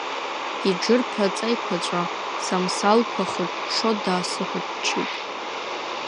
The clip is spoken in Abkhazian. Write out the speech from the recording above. Иџыр ԥаҵа еиқәаҵәа самсалқәа хыҽҽо даасыхәаччеит.